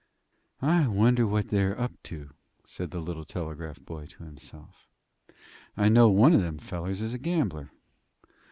"I wonder what they're up to," said the little telegraph boy to himself. "I know one of them fellers is a gambler.